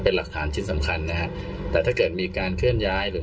เป็นหลักฐานชิ้นสำคัญนะฮะแต่ถ้าเกิดมีการเคลื่อนย้ายหรือ